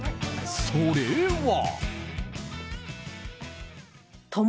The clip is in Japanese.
それは。